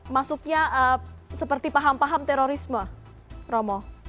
masuknya seperti paham paham terorisme romo